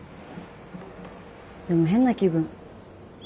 でも変な気分。